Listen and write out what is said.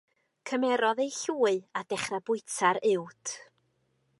Cymerodd ei llwy a dechrau bwyta'r uwd.